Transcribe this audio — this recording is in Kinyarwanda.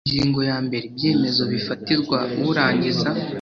ingingo ya mbere ibyemezo bifatirwa urangiza